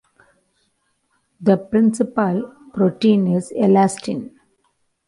The principal protein is elastin.